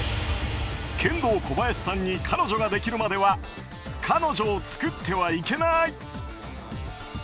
ケンドーコバヤシさんに彼女ができるまでは彼女を作ってはいけない。